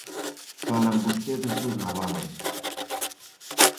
Falan vostedes do naval.